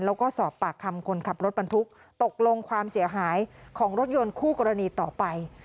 แล้วก็สอบปากคำคนขับรถบรรทุกตกลงความเสียหายของรถยนต์คู่กรณีต่อไป